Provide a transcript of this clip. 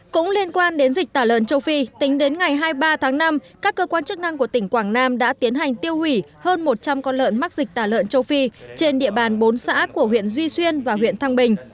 cũng liên quan đến dịch tả lợn châu phi tính đến ngày hai mươi ba tháng năm các cơ quan chức năng của tỉnh quảng nam đã tiến hành tiêu hủy hơn một trăm linh con lợn mắc dịch tả lợn châu phi trên địa bàn bốn xã của huyện duy xuyên và huyện thăng bình